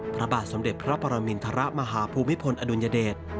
พระบาทสมเด็จพระปรมินทรมาฮภูมิพลอดุลยเดช